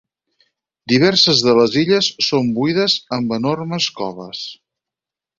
Diverses de les illes són buides amb enormes coves.